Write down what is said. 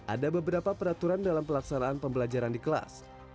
ada beberapa peraturan dalam pelaksanaan pembelajaran di kelas